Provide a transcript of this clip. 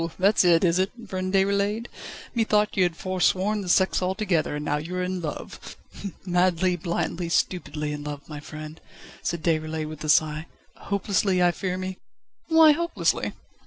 that's it, is it, friend Déroulède? Methought you had foresworn the sex altogether, and now you are in love." "Madly, blindly, stupidly in love, my friend," said Déroulède with a sigh. "Hopelessly, I fear me!" "Why hopelessly?"